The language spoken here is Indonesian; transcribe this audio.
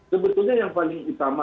sebetulnya yang paling utama